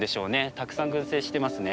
たくさん群生してますね。